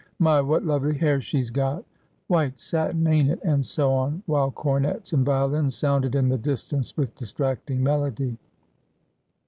' My, what lovely hair she's got !'' White satin, ain't it ?' and so on, while cornets and violins sounded in the distance with distracting melody.